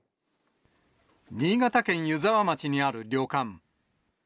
新潟県湯沢町にある旅館。